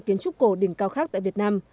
kiến trúc cổ đỉnh cao khác tại việt nam